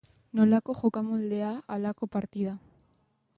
Nolako jokamoldea halako partida.